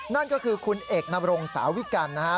นั่นก็คือคุณเอกนบรงสาวิกัลนะฮะ